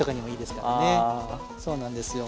そうなんですよ。